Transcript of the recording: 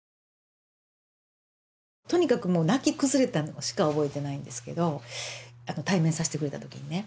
とにかくもう泣き崩れたのしか覚えてないんですけど対面させてくれた時にね。